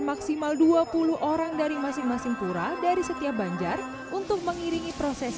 maksimal dua puluh orang dari masing masing pura dari setiap banjar untuk mengiringi proses